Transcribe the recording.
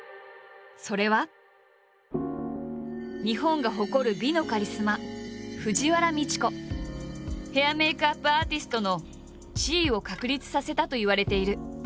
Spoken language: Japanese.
それは日本が誇る美のカリスマヘア＆メイクアップアーティストの地位を確立させたといわれている。